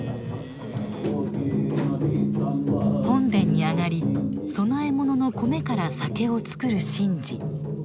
本殿に上がり供え物の米から酒をつくる神事。